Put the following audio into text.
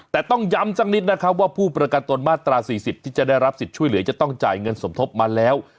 แต่ต้องย้ำสักนิดนะครับว่าผู้ประกันตนมาตรา๔๐ที่จะได้รับสิทธิ์ช่วยเหลือจะต้องจ่ายเงินสมทบมาแล้ว